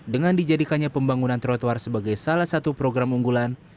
dengan dijadikannya pembangunan trotoar sebagai salah satu program unggulan